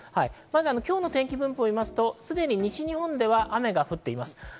今日の天気分布、すでに西日本では雨が降っています。